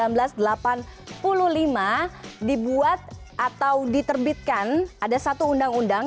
pada tahun seribu sembilan ratus delapan puluh lima dibuat atau diterbitkan ada satu undang undang